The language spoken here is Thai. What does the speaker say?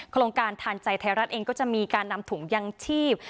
โครงการทานใจไทยรัฐเองก็จะมีการนำถุงยังชีพ